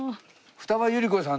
二葉百合子さん。